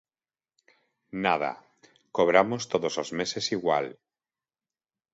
Nada, cobramos todos os meses igual.